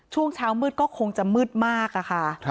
ช่วงเช้ามืดก็คงจะมืดมากอะค่ะ